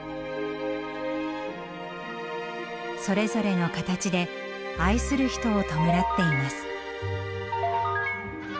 それぞれの形で愛する人を弔っています。